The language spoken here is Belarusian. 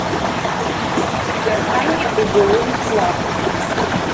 Для яго гэта вяртанне ў былую славу.